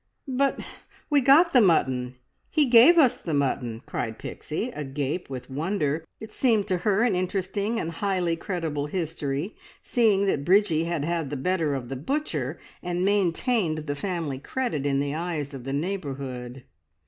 "But but we got the mutton! He gave us the mutton!" cried Pixie, agape with wonder. It seemed to her an interesting and highly creditable history, seeing that Bridgie had had the better of the butcher, and maintained the family credit in the eyes of the neighbourhood.